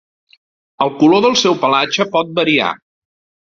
El color del seu pelatge pot variar.